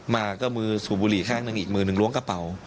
มาก็มือสูบบุหรี่ข้างหนึ่งอีกมือหนึ่งล้วงกระเป๋า